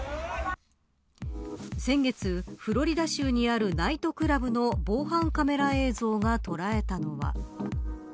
先月、フロリダ州にあるナイトクラブの防犯カメラ映像が捉えたのは。